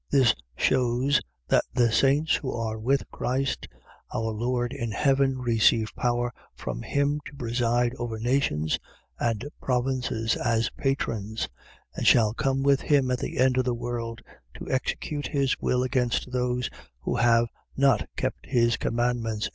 . .This shews, that the saints, who are with Christ our Lord in heaven, receive power from him to preside over nations and provinces, as patrons; and shall come with him at the end of the world to execute his will against those who have not kept his commandments.